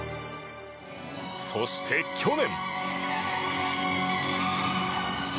そして、去年。